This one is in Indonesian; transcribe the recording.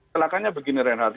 kelakanya begini rehan